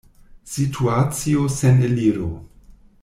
Situacio sen eliro.